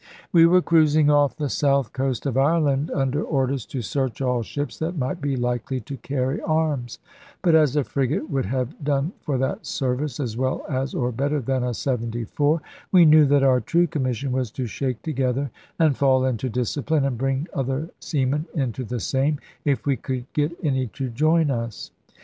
We were cruising off the south coast of Ireland, under orders to search all ships that might be likely to carry arms; but as a frigate would have done for that service, as well as, or better than, a 74, we knew that our true commission was to shake together and fall into discipline, and bring other seamen into the same, if we could get any to join us.